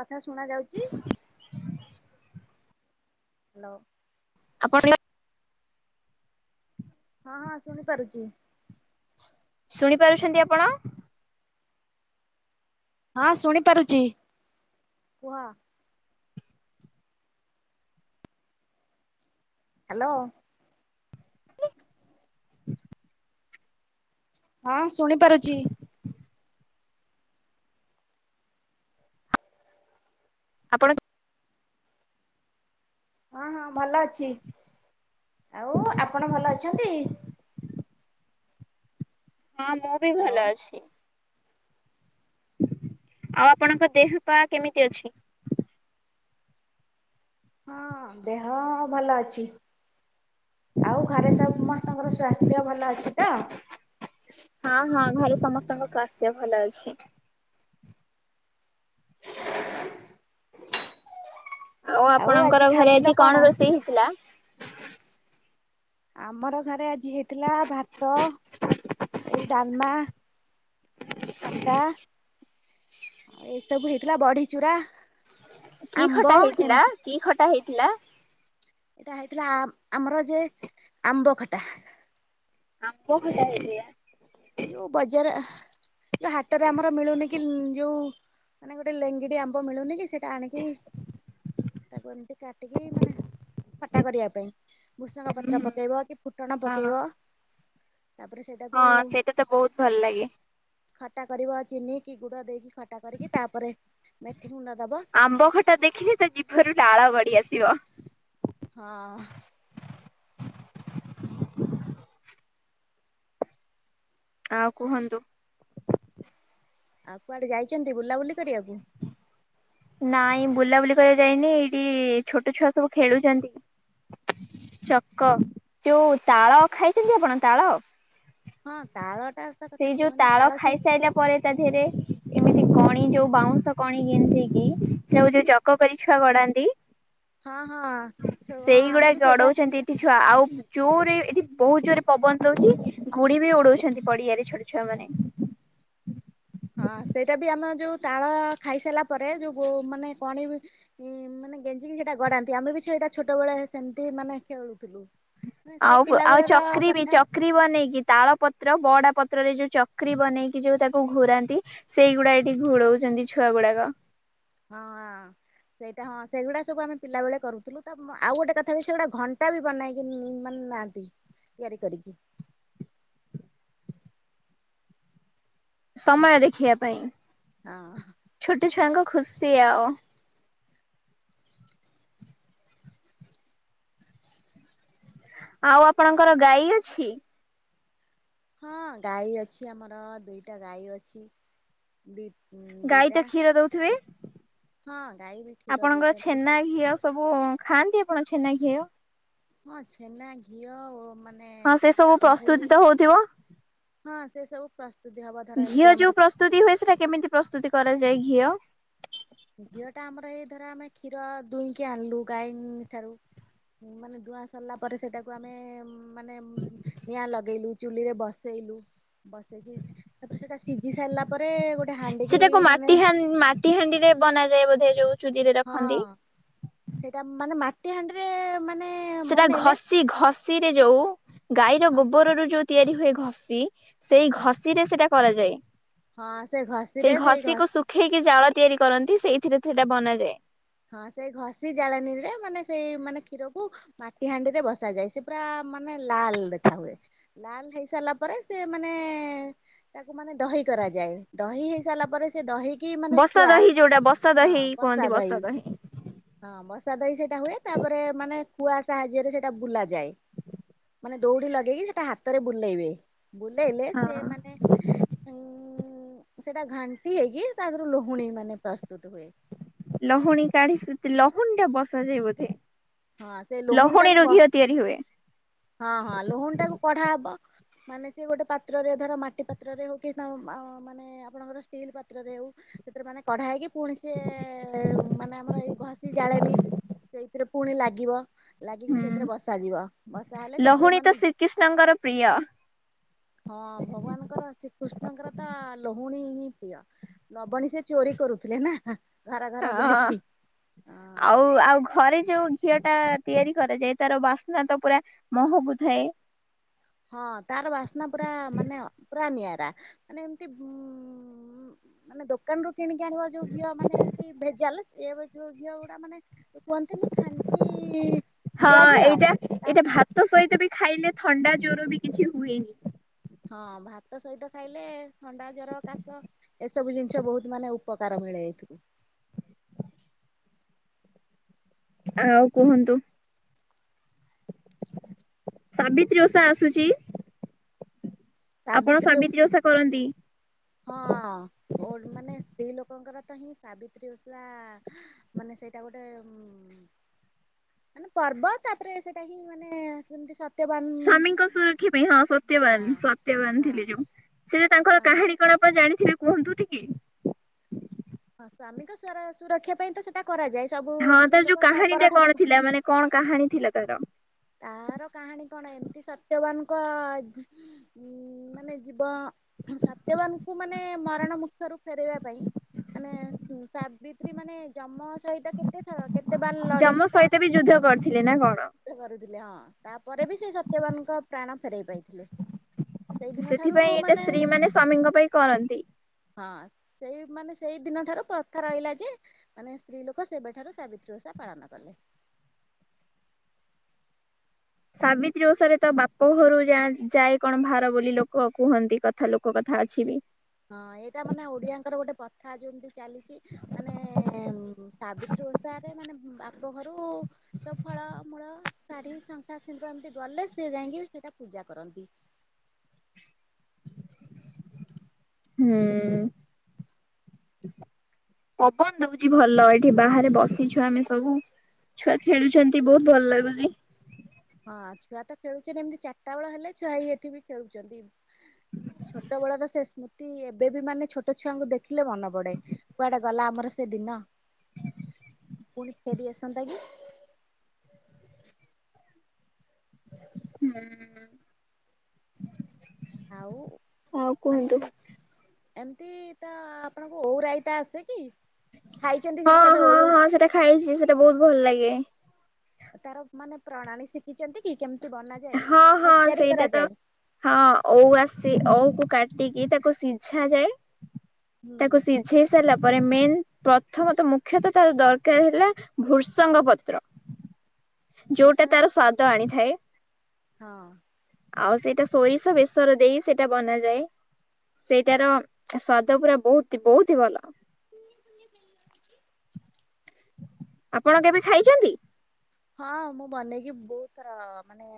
କଥା ଶୁଣା ଯାଉଚି? ହ୍ୟାଲୋ। ଆପଣିୟର ହଁ ହଁ ଶୁଣିପାରୁଚି। ଶୁଣିପାରୁଛନ୍ତି ଆପଣ? ହଁ ଶୁଣି ପାରୁଛି କୁହ? ହ୍ୟାଲୋ। ହଁ ଶୁଣିପାରୁଛି। ଆପଣ ହଁ ହଁ ଭଲ ଅଛି ଆଉ ଆପଣ ଭଲ ଅଛନ୍ତି? ହଁ ମୁଁ ବି ଭଲ ଅଛି। ଆଉ ଆପଣଙ୍କ ଦେହ ପା କେମିତି ଅଛି? ହଁ ଦେହ ଭଲ ଅଛି। ଆଉ ଘରେ ସମସ୍ତଙ୍କର ସ୍ଵାସ୍ଥ୍ୟ ଭଲ ଅଛି ତ? ହଁ ହଁ ଘରେ ସମସ୍ତଙ୍କ ସବୁ ଭଲ ଅଛି। [inaudible] ଆଉ ଆପଣଙ୍କର ଘରେ ଆଜି କଣ ରୋଷେଇ ହେଇଥିଲା? ଆମର ଘରେ ଆଜି ହେଇଥିଲା ଭାତ ଏଇ ଡାଲ୍ମା। ଖଟା ଏଇସବୁ ହେଇଥିଲା ବଢି ଚୁରା। କି ଆମ୍ବ ଖଟା ହେଇଥିଲା ଏମତି। କି ଖଟା ହେଇଥିଲା? ଏଇଟା ହେଇଥିଲା ଆ ଆମର ଯେ ଆମ୍ବ ଖଟା। ଆମ୍ବ ଖଟା ହେଇଥିଲା। ଯୋଉ ବଜାର ଯୋଉ ହାଟରେ ଆମର ମିଳୁନି କି ଯୋଉ ମାନେ ଗୋଟେ ଲେଙ୍ଗିଡି ଆମ୍ବ ମିଳୁନି କି ସେଇଟା ଆଣିକି ତାକୁ ଏମିତି କାଟିକି ମାନେ ଖଟା କରିବା ପାଇଁ ଭୁସଙ୍ଗ ହୁଁ ପତ୍ର ପକେଇବ କି ଫୁଟଣ ହଁ ପକେଇବ ତାପରେ ସେଇଟାକୁ ମତେ ବହୁତ୍ ଭଲ ଲାଗେ। ଖଟା କରିବ ଚିନି କି ଗୁଡ ଦେଇକି ଖଟା କରିକି ତାପରେ ମେଥି ଗୁଣ୍ଡ ଦବ। ଆମ୍ବ ଖଟା ଦେଖିଲି ତ ଜିଭରୁ ଲାଳ ଗଡି ଆସିବ। ହଁ। ଆଉ କୁହନ୍ତୁ? ଆଉ କୁଆଡେ ଯାଇଚନ୍ତି ବୁଲାବୁଲି କରିଆକୁ? ନାଇଁ ବୁଲାବୁଲି କରିଆକୁ ଯାଇନି ଏଇଟି ଛୋଟ ଛୁଆ ସବୁ ଖେଳୁଚନ୍ତି। ଚକ ଯୋଉ ତାଳ ଖାଇଛନ୍ତି ଆପଣ ତାଳ? ହଁ ତାଳଟା ସେଇ ଯୋଉ ତାଳ ଖାଇସାଇଲା ପରେ ତା ଧେରେ ଏମିତି କଣି ଯୋଉ ବାଉଁଶ କଣି ଗେଞ୍ଜିକି ସେୟାକୁ ଯୋଉ ଚ କ କରି ଛୁଆ ଗଡ଼ାନ୍ତି ହଁ ହଁ ଚୋ ହଁ ସେଇଗୁଡା ଆମେ ବି ସେଇଟା ଗଡଉଛନ୍ତି ଏଠି ଛୁଆ ଆଉ ଜୋରେ ଏଠି ବହୁତ ଜୋରେ ପବନ ଦଉଛି ଗୁଡି ବି ଉଡଉଛନ୍ତି ପଡିଆରେ। ଛୋଟ ଛୁଆ ମାନେ। ହଁ ସେଇଟା ବି ଆମେ ଯୋଉ ତାଳ ଖାଇସାରିଲା ପରେ ଯୋଉ ଗୋ ମାନେ କଣି ଏ ମାନେ ଗେଞ୍ଜିକି ସେଇଟା ଗଡାନ୍ତି ଆମେ ବି ସେଇଟା ଛୋଟବେଳେ ସେମିତି ମାନେ ଖେଳୁଥିଲୁ। ମାନେ ସେ ପିଲା ଆଉ-ଆଉ ବେଳର ଚକ୍ରି ବି ଚକ୍ କଥା ଚକ୍ରି ବନେଇକି ତାଳପତ୍ର ବଡ଼ା ପତ୍ରରେ ଯୋଉ ଚକ୍ରି ବନେଇକି ଯୋଉ ତାକୁ ଘୁରାନ୍ତି ସେଇଗୁଡାକ ଏଠି ଘୁଡଉଛନ୍ତି ଛୁଆ ଗୁଡାକ। ହଁ-ହଁ। ସେଇଟା ହଁ ସେଗୁଡା ସବୁ ଆମେ ପିଲା ବେଳେ କରୁଥିଲୁ, ତ ଆଉ ଗୋଟେ କଥା ବି ସେଗୁଡ଼ା ଘଣ୍ଟା ବି ବନେଇକି ମାନେ ନାନ୍ତି ତିଆରି କରିକି। ସମୟ ଦେଖିବା ପାଇଁ। ହଁ। ଛୋଟ ଛୁଆଙ୍କ ଖୁସି ଆଉ। ଆଉ ଆପଣଙ୍କର ଗାଈ ଅଛି? ହଁ ଗାଈ ଅଛି ଆମର ଦୁଇଟା ଗାଈ ଅଛି। ବି ହଁ। ଗାଈ ତ କ୍ଷୀର ଦୋଉଥିବେ, ହଁ ଗାଈ ବି କ୍ଷୀର ଆପଣଙ୍କର ଦଉଛନ୍ତି। ଛେନା ଘିଅ ସବୁ ଖାଆନ୍ତି ଆପଣ ଛେନା ଘିଅ? ହଁ ଛେନା ଘିଅ ମାନେ ମାନେ ହଁ ସେ ସବୁ ପ୍ରସ୍ତୁତି ଦହି ତ ହଉଥିବ। ହଁ ସେ ସବୁ ପ୍ରସ୍ତୁତି ହବ ଧର ଘିଅ ଏମ୍ତି ଯୋଉ ଆମର ପ୍ରସ୍ତୁତି ହୁଏ ସେଟା କେମିତି ପ୍ରସ୍ତୁତି କରାଯାଏ ଘିଅ? ଘିଅ ଟା ଆମର ଏଇ ଧର ଆମେ କ୍ଷୀର ଦୁଇଁକି ଆଣିଲୁ ଗାଈ ଠାରୁ ମାନେ ଦୁଆଁ ସରିଲା ପରେ ସେଇଟାକୁ ଆମେ ମାନେ ନିଆଁ ଲଗେଇଲୁ ଚୁଲିରେ ବସେଇଲୁ ବସେଇକି ତାପରେ ସେଇଟା ସିଝି ସାରିଲା ପରେ ଗୋଟେ ହାଣ୍ଡିିକି ମାନେ ଟି ହଣ୍ଡିରେ ବନାଯାଏ ବୋଧେ ଯୋଉ ଚୁଲିରେ ରଖନ୍ତି। ହଁ ସେଇଟା ମାନେ ମାଟି ହାଣ୍ଡିରେ ମାନେ ସେଟା ବନେଇଲେ ଘଷି-ଘଷି ରେ ଯୋଉ ଗାଈର ହଁ ଗୋବରରୁ ଯୋଉ ତିଆରି ହୁଏ ଘଷି ସେଇ ଘଷିରେ ସେଇଟା କରାଯାଏ, ହଁ ସେ ଘଷିରେ ସେଇ ଘ ଘଷିକୁ ଶୁ ଖେଇକି ଜାଳ ତିଆରି କରନ୍ତି ସେଇଥିରେ ସେଟା ବନାଯାଏ। ହଁ ସେଇ ଘଷି ଜଳେଣିରେ ମାନେ ସେଇ ମାନେ କ୍ଷୀରକୁ ମାଟି ହାଣ୍ଡିରେ ବସା ଯାଏ ସେ ପୁରା ମାନେ ଲାଲ୍ ଦେଖା ହୁଏ। ଲାଲ୍ ହେଇ ସାରିଲା ପରେ ସେ ମାନେ ତାକୁ ମାନେ ଦହି କରାଯାଏ, ଦହି ହେଇ ସାରିଲା ପରେ ସେ ଦହି ହିମାନେ ବସା ଖୁଆ ଦହି ଯୋଉଟା ବସା ହଁ ଦହି କୁହନ୍ତି ବସା ଦହି। ହଁ ବସା ଦହି ସେଇଟା ହୁଏ ତାପରେ ମାନେ କୁଆ ସାହାଯ୍ୟରେ ସେଇଟା ବୁଲାଯାଏ। ଦୌଡି ଲଗେଇକି ସେଟା ହାତରେ ବୁଲେଇବେ ବୁଲେଇଲେ ସେ ହଁ ମାନେ ହଁ ସେଟା ଘାଣ୍ଟି ହେଇକି ତା ଦେହରୁ ଲୁହୁଣୀ ମାନେ ପ୍ରସ୍ତୁତ ହୁଏ। ଲହୁଣୀ କାଢି ସେ ଲହୁଣୀ ଟା ବସାଯାଏ ବୋଧେ, ହଁ ସେ ଲହୁଣୀରୁ ଘିଅ ତିଆରି ହୁଏ। ହଁ-ହଁ ଲହୁଣୀ ଟାକୁ କଢା ହବ। ମାନେ ସିଏ ଗୋଟେ ପାତ୍ରରେ ଧର ମାଟି ପାତ୍ରରେ ହଉ କି [unintelligible] ଆପଣଙ୍କର ଷ୍ଟିଲ୍ ପାତ୍ରରେ ହଉ ସେଥିରେ ମାନେ କଢା ହେଇକି ପୁଣି ସେ ମାନେ ଆମର ଏଇ ଘଷି ଜାଳେନି ସେଇଥିରେ ପୁଣି ଲାଗିବ। ଲାଗିିକି ହୁଁ ସେଥିରେ ବସ ଯିବ। ଲହୁଣୀ ତ ଶ୍ରୀକୃଷ୍ଣଙ୍କର ପ୍ରିୟ ହଁ ଭଗବାନଙ୍କର ଶ୍ରୀକୃଷ୍ଣଙ୍କର ତ ଲହୁଣୀ ହିଁ ପ୍ରିୟ ନବଣୀ ସେ ଚୋରି କରୁଥିଲେ ନା ଘର ଘର ହଁ। ବୁଲିକି ଅ ଆଉ ଆଉ ଘରେ ଯୋଉ ଘିଅ ଟା ତିଆରି କରାଯାଏ ତାର ବାସ୍ନା ତ ପୁରା ମହକୁ ଥାଏ। ହଁ, ତାର ବାସ୍ନା ପୁରା, ମାନେ ପୁରା ନିଆରା, ମାନେ ଏମିତି ଉ ମାନେ ଦୋକାନ ରୁ କିଣିକି ଆଣିବା ଯୋଉ ଘିଅ ମାନେ ଏମିତି ଭେଜାଲ, ସେ ଏବେ ଯୋଉ ଘିଅ ଗୁଡା ମାନେ ଯୋଉ କୁହନ୍ତିନି ଖାନ୍ତି ହଁ ଗୁଆଘିଅ, ଏଇଟା ତା ଏଇଟା ଭାତ ସହିତ ବି ଖାଇଲେ, ଥଣ୍ଡା ଜ୍ୱର ବି କିଛି ହୁଏନି। ହଁ, ଭାତ ସହିତ ଖାଇଲେ, ଥଣ୍ଡା, ଜର, କାଶ ଏସବୁ ଜିନିଷ ବହୁତ ମାନେ, ଉପକାର ମିଳେ ଏଇଥିରୁ। ଆଉ କୁହନ୍ତୁ? ସାବିତ୍ରୀ ଓଷା ଆସୁଛି। ଆପଣ ସାବିତ୍ରୀ ଓଷା କରନ୍ତି? ହଁ, ମୋଡ଼ ମାନେ, ସ୍ତ୍ରୀ ଲୋକଙ୍କର ତ ହିଁ ସାବିତ୍ରୀ ଓଷା ଆ ମାନେ ସେଇଟା ଗୋଟେ, ଉଁ ଉଁ ମାନେ ପର୍ବ, ତାପରେ ସେଟା ହିଁ ମାନେ, ସେମତି ସ ସ୍ଵାମୀଙ୍କ ସୁରକ୍ଷା ପାଇଁ, ହଁ ହଁ ସତ୍ୟବାନ, ସତ୍ୟବାନ ହଁ ଥିଲେ ଯୋଉ, ସେଟା ତାଙ୍କର ହଁ କାହାଣୀ କଣ ଆପଣ ଜାଣିଥିବେ କୁହନ୍ତୁ ଟିକି? ହଁ, ସ୍ବାମୀଙ୍କ ସୁରକ୍ଷା ପାଇଁ ତ ସେଇଟା କରାଯାଏ, ସବୁ ହଁ ତାର ସ୍ତ୍ରୀ ଯୋଉ ଲୋକ ତା କାହାଣୀ ଟା କଣ ପରଠାରୁ ଥିଲା ମାନେ କଣ କାହାଣୀ ଥିଲା ତାର? ତାର କାହାଣୀ କଣ? ଏମିତି ସତ୍ୟବାନଙ୍କ ଉଁ, ମାନେ ଜୀବ, ସତ୍ୟବାନଙ୍କୁ ମାନେ ମରଣ ମୁଖରୁ ଫେରାଇବା ପାଇଁ ମାନେ, ସାବି ତ୍ରୀ, ମାନେ, ଜମ ସହିତ କେତେ ଥର, କେତେ ବାର ଯମ ଲଢିକି, ତା ସହିତ ବି ଯୁଦ୍ଧ କରିଥିଲେ ନା କଣ କରିଥିଲେ ହଁ, ତାପରେ ବି ସେ ସତ୍ୟବାନଙ୍କ ପ୍ରାଣ ଫେରଇ ପାଇଥି ସେଥିପାଇଁ ଏଇଟା ସ୍ତ୍ରୀ ମାନେ ସ୍ବାମୀଙ୍କ ପାଇଁ କରନ୍ତି। ହଁ, ସେଇ ମାନେ, ସେଇ ଦିନ ଠାରୁ ପ୍ରଥା ରହିଲା ଯେ ମାନେ ସ୍ତ୍ରୀ ଲୋକ ସେବେଠାରୁ ସାବିତ୍ରୀ ଓଷା ପାଳନ କଲେ। ସାବିତ୍ରୀ ଓଷାରେ ତ ବାପ ଘରୁ ଯା ଯାଏ କଣ ଭାର ବୋଲି, ଲୋକ କୁହନ୍ତି କଥା, ଲୋକ କଥା ଅଛି ବି। ହଁ, ଏଇଟା ମାନେ ଓଡିଆଙ୍କର ଗୋଟେ ପ୍ରଥା, ଯୋଉ ଏମିତି ଚାଲିଚି ମାନେ, ସାବିତ୍ରୀ ଓଷା ରେ, ମାନେ ବାପ ଘରୁ ସବୁ ଫଳ, ମୂଳ, ଶାଢୀ, ଶଙ୍ଖା ସିନ୍ଦୁର ଏମିତି ଗଲେ, ସେ ଯାଇକି ସେଇଟା ପୂଜା କରନ୍ତି। ହୁଁ ଉଁ। [unintelligible] ପବନ ଦଉଚି ଭଲ, ଏଠି ବାହାରେ ବସିଛୁ ଆମେ ସବୁ। ଛୁଆ ଖେଳୁଛନ୍ତି, ବହୁତ ଭଲ ଲାଗୁଚି। ହଁ, ଛୁଆ ତ ଖେଳୁଚନ୍ତି, ଏମିତି ଚାରିଟା ବେଳ ହେଲେ ଛୁଆ ହେଇ ଏଠି ବି ଖେଳୁଚନ୍ତି। ଛୋଟବେଳର ସେ ସୃ ସୃତି, ଏବେ ବି ମାନେ ଛୋଟ ଛୁଆଙ୍କୁ ଦେଖିଲେ ମନେ ପଡେ, କୁଆଡେ ଗଲା ଆମର ସେ ଦିନ? ପୁଣି ଫେରି ଆସନ୍ତା କି? ହୁଁ ଉଁ। ଆଉ, ମାନେ କୁହନ୍ତୁ। ଏମତି ତା, ଆପଣଙ୍କୁ ଓଉରାଇତା ଆସେ କି? ହଁ ଖାଇଛନ୍ତି କେବେ ହଁ ଓଉ ହଁ, ସେଟା ଖାଇଚି, ସେଟା ବହୁତ ଭଲ ଲାଗେ। ତାର ମାନେ ପ୍ରଣାଳୀ ଶିଖିଚନ୍ତି କି? କେମିତି ବନାଯାଏ, ହଁ ବା ହଁ ତିଆରି ସେଇଟା ତ କରାଯାଏ? ହଁ, ଓଉ ଆସିଚି, ଓଉକୁ କାଟିକି ତାକୁ ସିଝା ଯାଏ, ହୁଁ ତାକୁ ସି ଶିଝେଇ ସାରିଲା ପରେ, ମେନ୍ ପ୍ରଥମ ତ, ମୁଖ୍ୟତଃ ତାର ଦରକାର ହେଲା ଭୃସଙ୍ଗ ପତ୍ର। ଯୋଉଟା ଭୃସଙ୍ଗ ତାର ପତ୍ର ସ୍ବାଦ ଆଣିଥାଏ। ହଁ ଆଉ ସେଇଟା ସୋରିଷ ବେେଶର ଦେଇ ସେଇଟା ବନାଯାଏ। ସେଇଟାର ସ୍ଵାଦ ପୁରା ବହୁତ ବହୁତ ଭଲ। ଆପଣ କେବେ ଖାଇଛନ୍ତି। ହଁ ମୁଁ ବନେଇକି ବହୁତର ମାନେ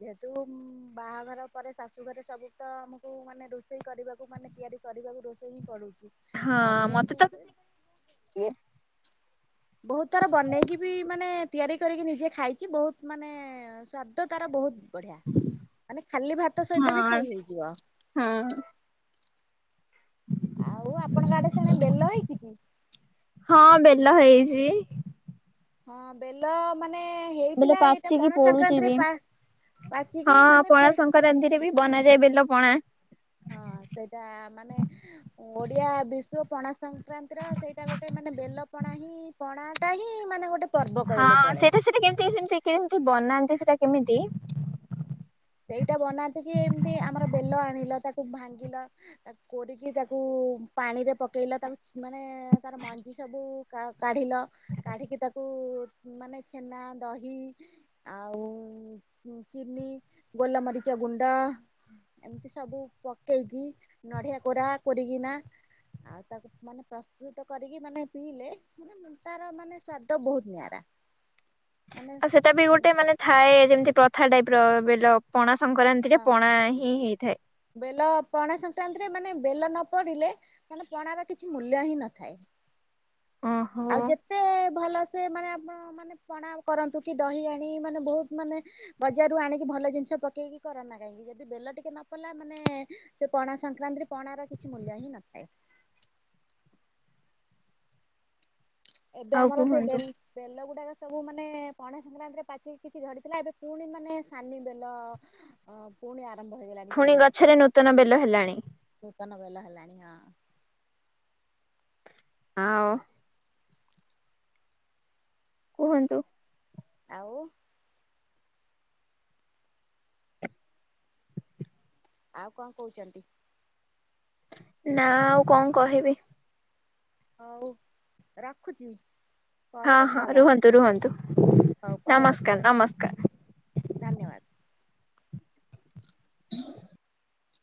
ଯେହେତୁ ବାହାଘର ପରେ ଶାଶୁ ଘରେ ସବୁ ତ ଆମକୁ ମାନେ ର ରୋଷେଇ କରିବାକୁ ମାନେ ତିଆରି କରିବାକୁ ରୋଷେଇ ହିଁ ପଡୁଛି। ହଁ ତାପରେ ମତେ ଆମେ ତ ଏମତି ବହୁତ ତର ବନେଇକି ବି ମାନେ ତିଆରି କରିକି ନିଜେ ଖାଇଛି ବହୁତ ମାନେ ସ୍ଵାଦ ତାର ବହୁତ ବଢିଆ ମାନେ ଖାଲି ଭାତ ସହିତ ବି ଖାଇ ହେଇଯିବ। ହଁ ଆଉ ଆପଣଙ୍କ ଆଡେ ସେଣେ ବେଲ ହେଇକି କି? ହଁ ବେଲ ହେଇଛି। ହଁ ବେଲ ମାନେ ବେଲ ହେଇଥିଲା ଏଇଟା ପାଚିକି ପଣା ପୋଡୁଛି ସଂକ୍ରାନ୍ତିରେ ବି ପା ହଁ ପାଚିକି ମାନେ ପଣା ସଂକ୍ରାନ୍ତିରେ ବି ବନାଯାଏ ବେଲ ପଣା। ହଁ ସେଇଟା ମାନେ ଓଡିଆ ବି ପଣା ସଂକ୍ରାନ୍ତିର ସେଇଟା ଗୋଟେ ମାନେ ବେଲ ପଣା ହିଁ ପଣା ଟା ହିଁ ମାନେ ଗୋଟେ ପର୍ବ ହଁ କହିଲେ ଚଳେ ସେଟା ସେଟା କେମତି ସେମତି କେମିତି ବନାନ୍ତି ସେଟା କେମିତି ସେଇଟା ବନାେଇଥକି ଏମତି ଆମର ବେଲ ଆଣିଲ ତାକୁ ଭାଙ୍ଗିଲ। ତାକୁ କୋରିକି ତାକୁ ପାଣିରେ ପକେଇଲ ତାକୁ ମାନେ ତାର ମଞ୍ଜି ସବୁ କାଢ଼ିଲ। କାଢିକି ତାକୁ ମାନେ ଛେନା ଦହି ଆଉ ଚିୀ ଗୋଲାମରିଚ ଗୁଣ୍ଡ। ଏମିତି ସବୁ ପକେଇକି ନଡିଆ କୋରା କରିକିନା। ଆଉ ତାକୁ ମାନେ ପ୍ରସ୍ତୁତ କରିକି ମାନେ ପିଇଲେ। ତାର ମାନେ ସ୍ଵାଦ ବହୁତ ନିଆରା। ମାନେ ଆଉ ସେଟା ବି ଗୋଟେ ମାନେ ଥାଏ ଯେମିତି ପ୍ରଥା ଟାଇପ ର ବେଲ। ପଣା ସଂକ୍ରାନ୍ତି ରେ ହଁ ପଣା ହିଁ ହେଇଥାଏ। ବେଲ ପଣା ସଂକ୍ରାନ୍ତିରେ ମାନେ ବେଲ ନ ପଡ଼ିଲେ ମାନେ ପଣାର କିଛି ମୂଲ୍ୟ ହିଁ ନଥାଏ। ଓହୋ ଆଉ ଯେତେ ଭଲ ସେ ମାନେ ଆପ ମାନେ ପଣା କରନ୍ତୁ କି ଦହି ଆଣି ମାନେ ବହୁତ ମାନେ ବଜାର ରୁ ଆଣିକି ଭଲ ଜିନିଷ ପକେଇକି କରାନ ନା କାହିଁକି ଯଦି ବେ ଟିକେ ପଲା ମାନେ ସେ ପଣା ସଂକ୍ରାନ୍ତିରେ ପଣା ର କିଛି ମୂଲ୍ୟ ହିଁ ନଥାଏ। ଏବେ ଆଉ ଆମର ସେଇ ବେଲ କୁହନ୍ତୁ ବେଲ ଗୁଡାକ ସବୁ ମାନେ ପଣା ସଂକ୍ରାନ୍ତିରେ ପାଚିକି କିଛି ଧରିଥିଲା ଏବେ ପୁଣି ମାନେ ସାନି ବେଲ ହଁ ପୁଣି ଆରମ୍ଭ ହେଇଗଲାଣି ପୁଣି ଛୋଟ ଛୋଟ ଗଛରେ ନୂତନ ବେଲ ହେଲାଣି କୀତନ ବେଲ ହେଲାଣି ହଁ। ଆଉ କୁହନ୍ତୁ ଆଉ ଆଉ କଣ କହୁଛନ୍ତି? ନା ଆଉ କଣ କହିବି? ହଉ ରଖୁଛି। ପରେ ହଁ ହଁ କଥା ହବା ରୁହନ୍ତୁ ରୁହନ୍ତୁ ହଉ ପରେ କଥା ନମସ୍କାର ହବା ନମସ୍କାର। ଧନ୍ୟବାଦ। ହଁ